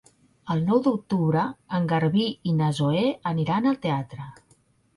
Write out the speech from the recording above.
El nou d'octubre en Garbí i na Zoè aniran al teatre.